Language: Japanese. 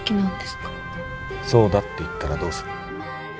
そうだって言ったらどうする？